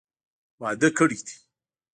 واده کړي دي.